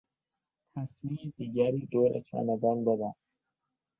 تسمهی دیگری دور چمدان ببند.